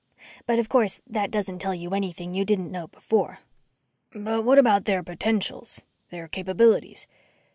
But, of course, that doesn't tell you anything you didn't know before." "But what about their potentials, their capabilities?